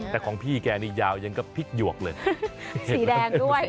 แต่ของพี่แกนี่ย่าวยังก็พิกหยวกเลย